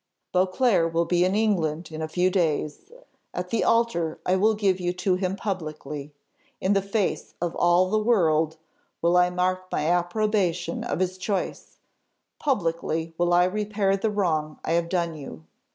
Beauclerc will be in England in a few days, at the altar I will give you to him publicly; in the face of all the world, will I mark my approbation of his choice; publicly will I repair the wrong I have done you.